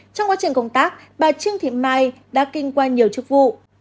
trong quá trình công tác bà trương thị mai đã kinh qua nhiều chức vụ